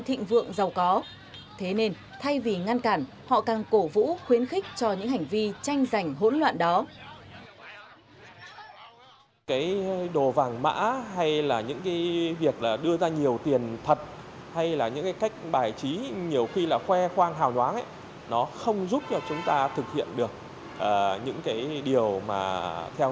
thịnh vượng giàu có thế nên thay vì ngăn cản họ càng cổ vũ khuyến khích cho những hành vi tranh giành hỗn loạn đó